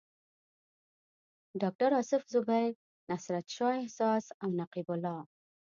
ډاکټر اصف زبیر، نصرت شاه احساس او نقیب الله.